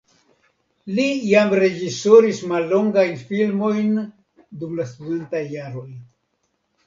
Li jam reĝisoris mallongajn filmojn dum la studentaj jaroj.